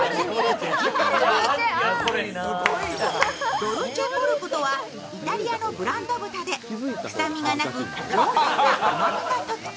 ドルチェポルコとは、イタリアのブランド豚でくさみがなく上質な甘みが特徴。